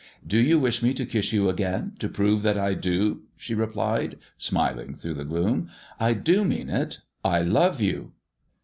" Do you wish me to kiss you again, to prove that I do 1 " she replied, smiling through the gloom. " I do mean it ! I love you